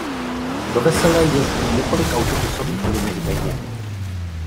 Do Veselé jezdí několik autobusových linek denně.